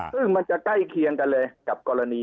ซึ่งมันจะใกล้เคียงกันเลยกับกรณี